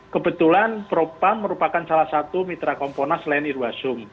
kebetulan propam merupakan salah satu mitra komponas selain irwasum